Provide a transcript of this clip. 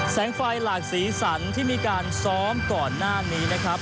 แสงไฟหลากสีสันที่มีการซ้อมก่อนหน้านี้นะครับ